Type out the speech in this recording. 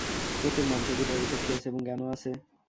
প্রত্যেক মানুষের ভিতরে এই শক্তি আছে এবং জ্ঞানও আছে।